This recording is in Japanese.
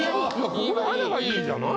ここ入れば良いんじゃない？